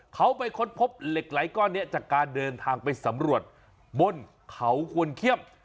เขาไปค้นพบเหล็กไหลก้อนนี้จากการเดินทางไปสำรวจบนเขาควรเขี้ยม